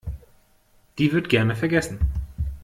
Die wird gerne vergessen.